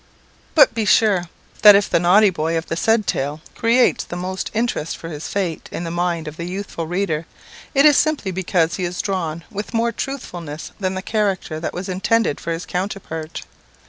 But be sure, that if the naughty boy of the said tale creates the most interest for his fate in the mind of the youthful reader, it is simply because he is drawn with more truthfulness than the character that was intended for his counterpart.